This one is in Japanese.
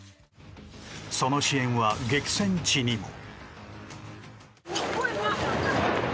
その支援は、激戦地にも。